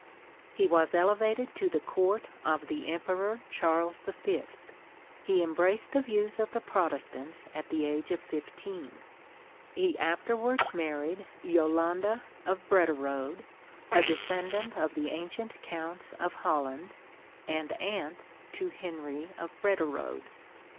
He was "elevated to the court of the Emperor Charles the Fifth. He embraced the views of the Protestants at the age of fifteen. He afterwards mar ried Jolande of Brederode, a descendant of the ancient Counts of Holland, and aunt to Henry of Brederode." .